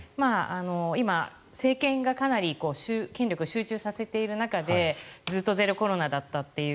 今、政権がかなり権力を集中させている中でずっとゼロコロナだったという。